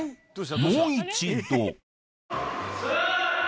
もう一度。